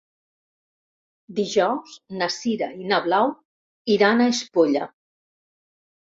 Dijous na Sira i na Blau iran a Espolla.